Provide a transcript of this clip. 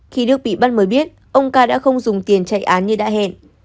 khi đức bị bắt mới biết ông ca đã không dùng tiền chạy án như đã hẹn